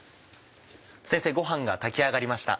先生ご飯が炊き上がりました。